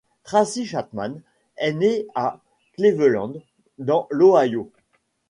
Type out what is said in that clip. Tracy Chapman est née à Cleveland, dans l'Ohio.